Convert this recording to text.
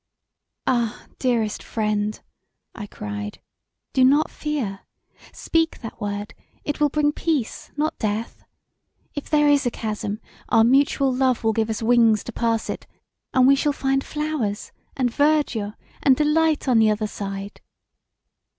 "Ah, dearest friend!" I cried, "do not fear! Speak that word; it will bring peace, not death. If there is a chasm our mutual love will give us wings to pass it, and we shall find flowers, and verdure, and delight on the other side."